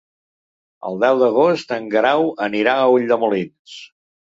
El deu d'agost en Guerau anirà a Ulldemolins.